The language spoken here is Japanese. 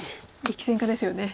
力戦家ですよね。